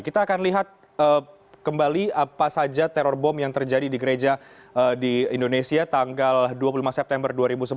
kita akan lihat kembali apa saja teror bom yang terjadi di gereja di indonesia tanggal dua puluh lima september dua ribu sebelas